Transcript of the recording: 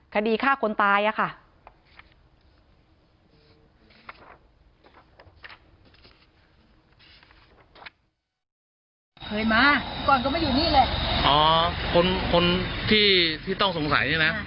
คดีฆ่าคนตายอะค่ะ